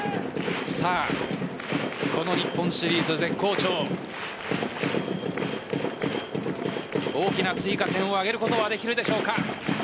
さあ、この日本シリーズ絶好調大きな追加点を挙げることはできるでしょうか。